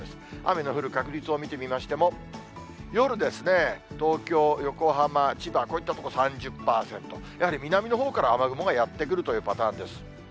雨の降る確率を見てみましても、夜ですね、東京、横浜、千葉、こういった所３０％。やはり南のほうから雨雲がやって来るというパターンです。